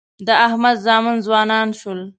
د احمد زامن ځوانان شول.